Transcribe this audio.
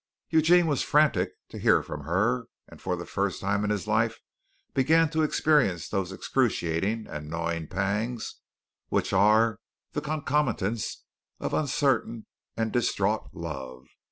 Eugene was frantic to hear from her, and for the first time in his life began to experience those excruciating and gnawing pangs which are the concomitants of uncertain and distraught love.